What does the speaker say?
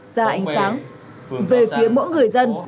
ra ánh sáng về phía mỗi người dân